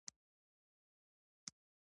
که ننوځې پنځه شکله یا دوه ډالره باید ورکړې.